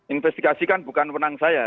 investigasi kan bukan menang saya